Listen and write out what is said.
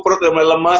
perut udah mulai lemes